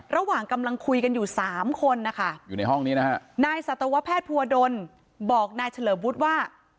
ระหว่างกำลังคุยกันอยู่๓คนนายสัตวแพทย์ภูวดลบอกนายเฉลอบุฒิว่า